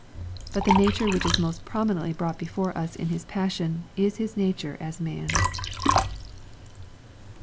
But the nature which is most prominently brought before us in His passion, is His nature as man.